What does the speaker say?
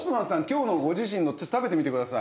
今日のご自身の食べてみてください。